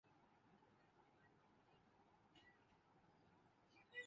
FIFA world cup سٹریلیا اور پیرو کی ٹیمیں منے سامنے ہوں گی